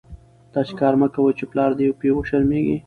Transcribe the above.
داسي کار مه کوئ، چي پلار دي په وشرمېږي.